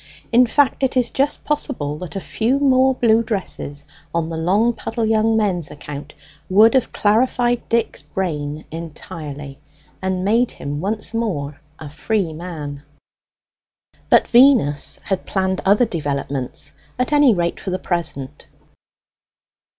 In fact, it is just possible that a few more blue dresses on the Longpuddle young men's account would have clarified Dick's brain entirely, and made him once more a free man. But Venus had planned other developments, at any rate for the present.